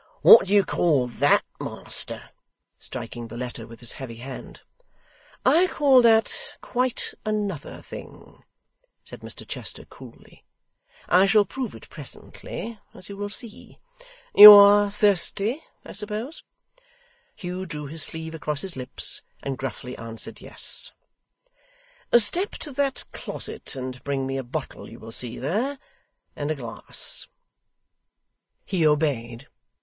'What do you call THAT, master?' striking the letter with his heavy hand. 'I call that quite another thing,' said Mr Chester coolly. 'I shall prove it presently, as you will see. You are thirsty, I suppose?' Hugh drew his sleeve across his lips, and gruffly answered yes. 'Step to that closet and bring me a bottle you will see there, and a glass.' He obeyed.